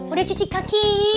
udah cuci kaki